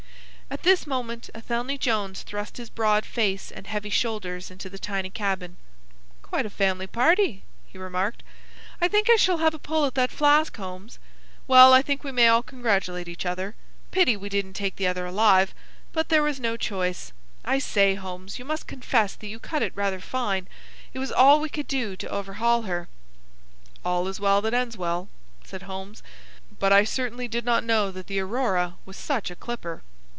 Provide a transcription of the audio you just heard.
At this moment Athelney Jones thrust his broad face and heavy shoulders into the tiny cabin. "Quite a family party," he remarked. "I think I shall have a pull at that flask, Holmes. Well, I think we may all congratulate each other. Pity we didn't take the other alive; but there was no choice. I say, Holmes, you must confess that you cut it rather fine. It was all we could do to overhaul her." "All is well that ends well," said Holmes. "But I certainly did not know that the Aurora was such a clipper."